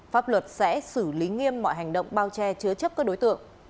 pháp luật sẽ xử lý nghiêm mọi hành động bao che chứa chấp các đối tượng